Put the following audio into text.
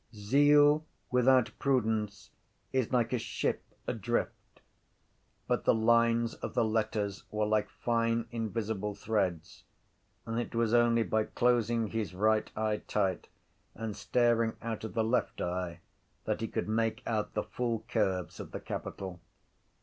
Zeal without prudence is like a ship adrift. But the lines of the letters were like fine invisible threads and it was only by closing his right eye tight and staring out of the left eye that he could make out the full curves of the capital.